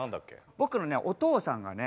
僕のねお父さんがね